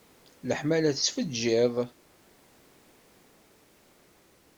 Leḥmala tettfeggiḍ.